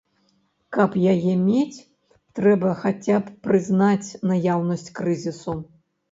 Каб яе мець, трэба хаця б прызнаць наяўнасць крызісу.